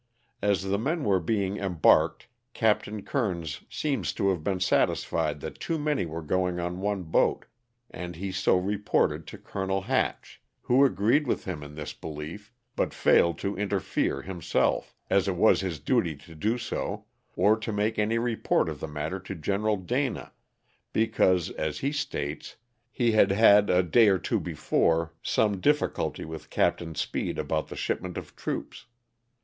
As the men were being embarked Captain Kernes seems to have been satisfied that too many were going on one boat and he so reported to Colonel Hatch, who agreed with him in this belief but failed to interfere him self, as it was his duty to do, or to make any report of the matter to General Dana, because, as he states, he had had a day or two before some difficulty with Captain Speed about the shipment of troops.